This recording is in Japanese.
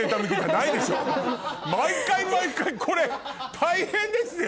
毎回毎回これ大変ですよ。